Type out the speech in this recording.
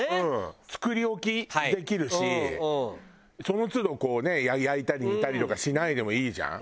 その都度こうね焼いたり煮たりとかしないでもいいじゃん。